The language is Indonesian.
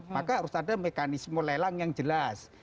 maka harus ada mekanisme lelang yang jelas